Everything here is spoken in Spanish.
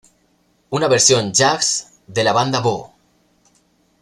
Una versión "jazz" de la banda Bo.